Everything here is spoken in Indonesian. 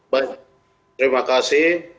baik terima kasih